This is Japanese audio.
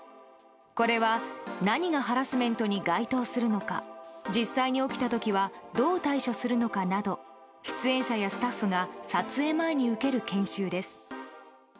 これは何がハラスメントに該当するのか実際に起きた時はどう対処するのかなど出演者やスタッフが撮影前に受ける研修です。